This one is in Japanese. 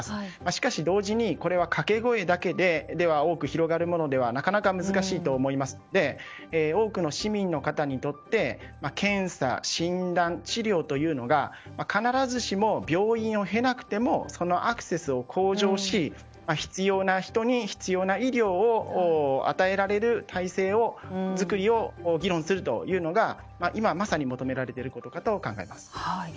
しかし同時に掛け声だけで多く広がるものではなかなか難しいと思いますので多くの市民の方にとって検査、診断、治療というのが必ずしも病院を経なくてもアクセスを向上し必要な人に、必要な医療を与えられる体制作りを議論するというのが今まさに求められていることかと考えています。